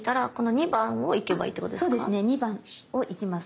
２番を行きます。